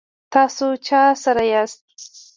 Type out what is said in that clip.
تاسو چا سره یاست؟